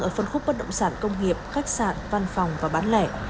ở phân khúc bất động sản công nghiệp khách sạn văn phòng và bán lẻ